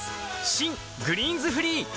新「グリーンズフリー」